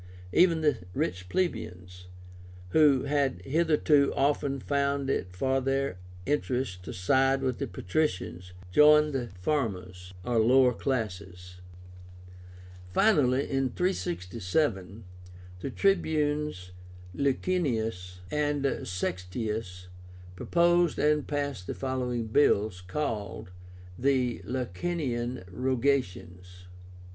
Even the rich plebeians, who had hitherto often found it for their interest to side with the patricians, joined the farmers or lower classes. Finally, in 367, the Tribunes Licinius and Sextius proposed and passed the following bills, called the LICINIAN ROGATIONS. I.